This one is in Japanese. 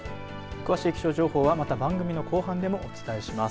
詳しい気象情報はまた番組の後半でもお伝えします。